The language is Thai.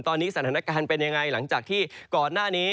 ตอนนี้สถานการณ์เป็นยังไงหลังจากที่ก่อนหน้านี้